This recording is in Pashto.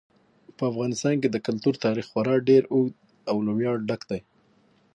په افغانستان کې د کلتور تاریخ خورا ډېر اوږد او له ویاړه ډک دی.